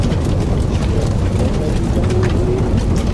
Cwiṭ cwiṭ ad d-iban ubrid.